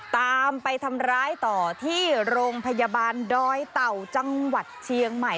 ตามไปทำร้ายต่อที่โรงพยาบาลดอยเต่าจังหวัดเชียงใหม่